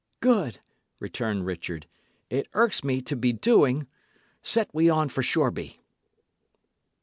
"Good!" returned Richard. "It irks me to be doing. Set we on for Shoreby!"